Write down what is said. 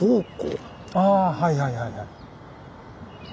ああはいはいはいはい。